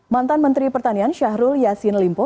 mantan menteri pertanian syahrul yassin limpo